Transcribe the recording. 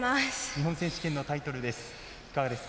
日本選手権のタイトルです。